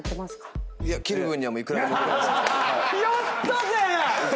やったぜ！